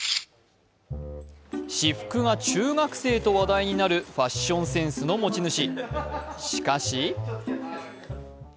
「私服が中学生」と話題になるファッションセンスの持ち主。